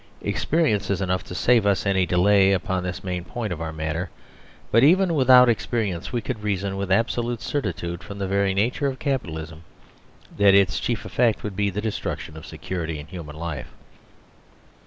86 Experience is enough to save us any delay upon this main point of our matter. But even without ex perience we could reason with absolute certitude from the very nature of Capitalism that its chief effect would be the destruction of security in human life.